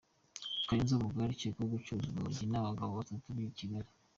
Kayonza: Umugore arakekwaho gucuruzanya urumogi n’abagabo batatu b’i Kigali